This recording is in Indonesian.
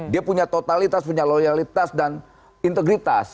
dia punya totalitas punya loyalitas dan integritas